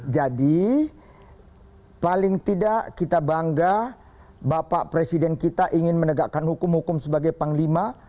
jadi paling tidak kita bangga bapak presiden kita ingin menegakkan hukum hukum sebagai panglima